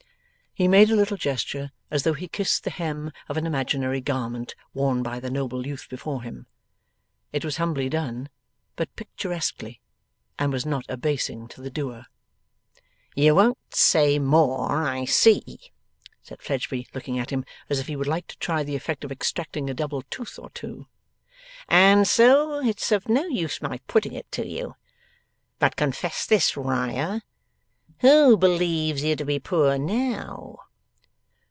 He made a little gesture as though he kissed the hem of an imaginary garment worn by the noble youth before him. It was humbly done, but picturesquely, and was not abasing to the doer. 'You won't say more, I see,' said Fledgeby, looking at him as if he would like to try the effect of extracting a double tooth or two, 'and so it's of no use my putting it to you. But confess this, Riah; who believes you to be poor now?